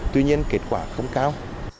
tuy nhiên kết quả không cao